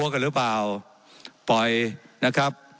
ว่าการกระทรวงบาทไทยนะครับ